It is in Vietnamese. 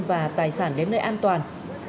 và tài sản đến nơi an toàn